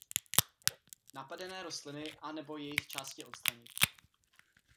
Napadené rostliny anebo jejich části odstranit.